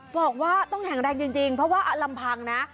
บอกว่าต้องแข็งแรงจริงเพราะว่าลำพังนะ